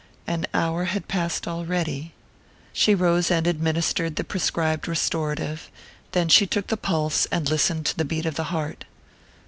An hour had passed already.... She rose and administered the prescribed restorative; then she took the pulse, and listened to the beat of the heart.